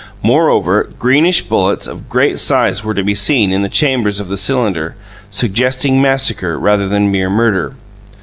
Moreover, greenish bullets of great size were to be seen in the chambers of the cylinder, suggesting massacre rather than mere murder.